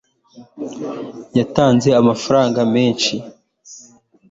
yatanze amafaranga menshi